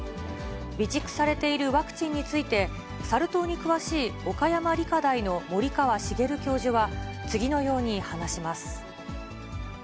備蓄されているワクチンについて、サル痘に詳しい岡山理科大の森川茂教授は次のように話します。